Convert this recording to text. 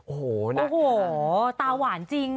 โอ้โหตาหวานจริง